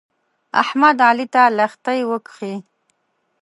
احمد؛ علي ته لښتې وکښې.